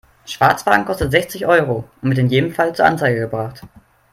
Schwarzfahren kostet sechzig Euro und wird in jedem Fall zur Anzeige gebracht.